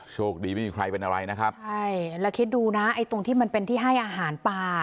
โชคดีไม่มีใครเป็นอะไรนะครับใช่แล้วคิดดูนะไอ้ตรงที่มันเป็นที่ให้อาหารปลา